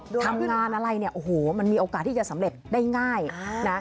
ทำงานอะไรเนี่ยโอ้โหมันมีโอกาสที่จะสำเร็จได้ง่ายนะ